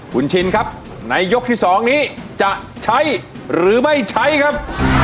คุณชินครับในยกที่๒นี้จะใช้หรือไม่ใช้ครับ